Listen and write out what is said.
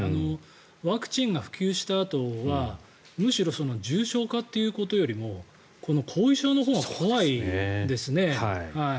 ワクチンが普及したあとはむしろ重症化ということよりもこの後遺症のほうが怖いですね。